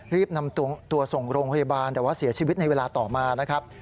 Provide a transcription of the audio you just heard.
รีบนำตัวส่งโรงพยาบาลแต่ว่าเสียชีวิตในเวลาต่อมานะครับ